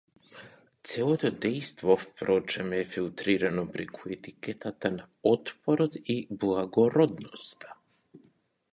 Целото дејство впрочем е филтритано преку етикетата на отпорот и благородноста.